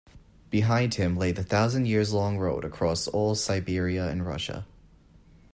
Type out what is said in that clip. Behind him lay the thousand-years-long road across all Siberia and Russia.